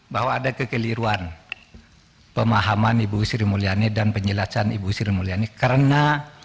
bahwa ada kekeliruan pemahaman ibu sri mulyani dan penjelasan ibu sri mulyani karena